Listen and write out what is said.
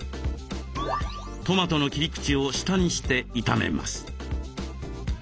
トマトの切り口を下にして炒めます。